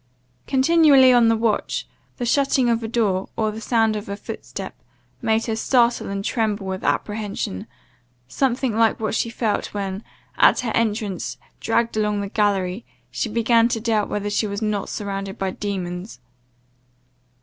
Continually on the watch, the shutting of a door, or the sound of a foot step, made her start and tremble with apprehension, something like what she felt, when, at her entrance, dragged along the gallery, she began to doubt whether she were not surrounded by demons?